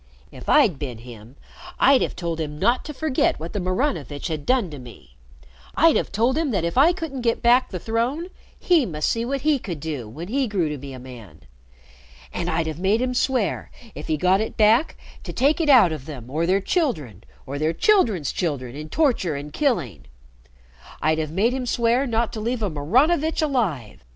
"If I'd bin him I'd have told him not to forget what the Maranovitch had done to me. I'd have told him that if I couldn't get back the throne, he must see what he could do when he grew to be a man. And I'd have made him swear, if he got it back, to take it out of them or their children or their children's children in torture and killing. I'd have made him swear not to leave a Maranovitch alive.